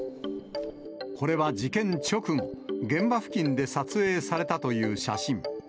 これは事件直後、現場付近で撮影されたという写真。